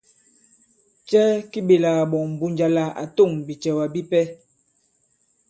Cɛ ki ɓèlà kàɓɔ̀ŋ Mbunja la à tôŋ bìcɛ̀wa bipɛ?